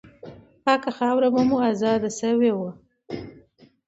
پاکه خاوره به مو آزاده سوې وه.